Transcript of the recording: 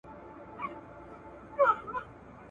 تجربه او هڅه د پرمختګ لامل کیږي.